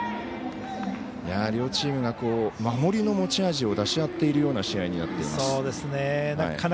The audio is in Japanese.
両チームが守りの持ち味を出し合ってるような試合になっています。